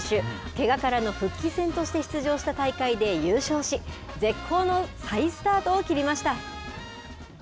けがからの復帰戦として出場した大会で優勝し、絶好の再スタートを切りました。